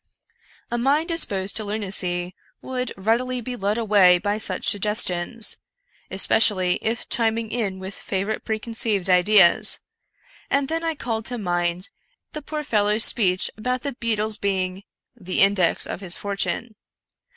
A mind dis posed to lunacy would readily be led away by such sugges tions — especially if chiming in with favorite preconceived ideas — and then I called to mind the poor fellow's speech about the beetle's being " the index of his fortune."